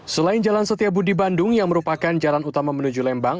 selain jalan setiabudi bandung yang merupakan jalan utama menuju lembang